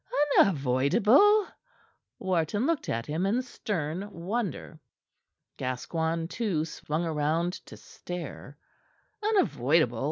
"Unavoidable?" Wharton looked at him in stern wonder. Gascoigne, too, swung round to stare. "Unavoidable?